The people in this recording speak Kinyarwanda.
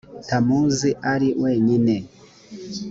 tamuzi ari wenyine